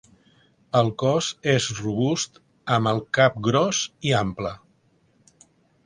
El cos és robust amb el cap gros i ample.